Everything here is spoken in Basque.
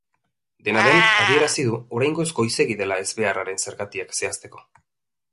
Dena den, adierazi du oraingoz goizegi dela ezbeharraren zergatiak zehazteko.